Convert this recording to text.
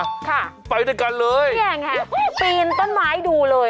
ค่ะไปด้วยกันเลยเนี่ยไงปีนต้นไม้ดูเลย